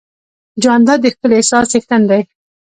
جانداد د ښکلي احساس څښتن دی.